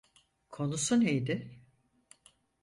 Konusu neydi?